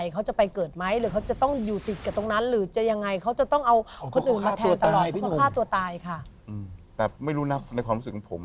เขาไม่ควรรู้สึกเอ๊ะเป็นผู้หญิง